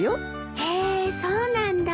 へえそうなんだ。